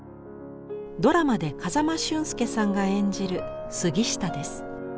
ドラマで風間俊介さんが演じる杉下です。